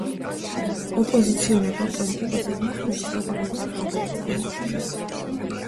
ოპოზიციონერი პოლიტიკოსები ხმების გაყალბების ბრალდება წამოაყენეს.